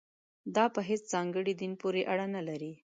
دا په هېڅ ځانګړي دین پورې اړه نه لري.